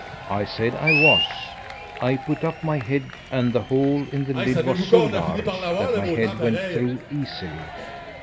I said I was. I put up my head, and the hole in the lid was so large, that my head went through easily.